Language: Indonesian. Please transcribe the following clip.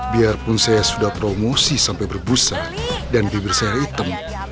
biarpun saya sudah promosi sampai berbusa dan bibir saya hitam